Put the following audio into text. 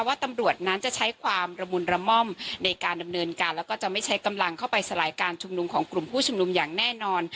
ว่าตำรวจนั้นจะใช้ความระมุนระม่อมในการดำเนินการแล้วก็จะไม่ใช้กำลังเข้าไปสลายการชุมนุมของกลุ่มผู้ชุมนุมอย่างแน่นอน